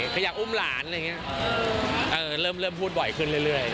บอกอยากอุ้มหลานรึยังงี้เออเริ่มพูดบ่อยขึ้นเรื่อย